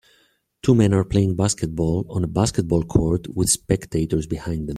Two men are playing basketball on a basketball court with spectators behind them.